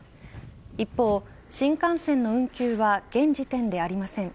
一方、新幹線の運休は現時点でありません。